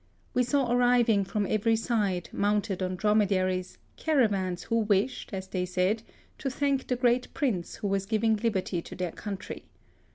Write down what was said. We saw arriving from every side, mounted on dromedaries, caravans who wished, as they said, to thank the great Prince who was giving liberty to their country.